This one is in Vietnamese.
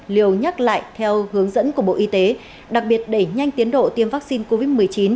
liều nhắc lại theo hướng dẫn của bộ y tế đặc biệt đẩy nhanh tiến độ tiêm vaccine covid một mươi chín